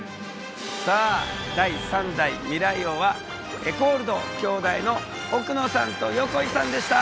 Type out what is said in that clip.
さあ第３代未来王はエコるど京大の奥野さんと横井さんでした！